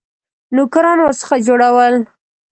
نوکران ورڅخه جوړول.